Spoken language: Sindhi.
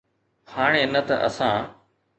هاڻي نه ته اسان